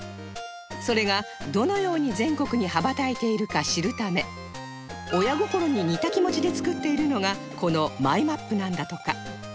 それがどのように全国に羽ばたいているか知るため親心に似た気持ちで作っているのがこのマイマップなんだとか